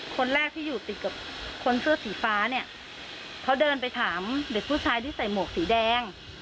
คนแรกที่อยู่ติดกับคนเสื้อสีฟ้าเนี่ยเขาเดินไปถามเด็กผู้ชายที่ใส่หมวกสีแดง